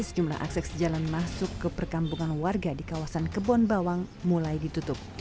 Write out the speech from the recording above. sejumlah akses jalan masuk ke perkampungan warga di kawasan kebon bawang mulai ditutup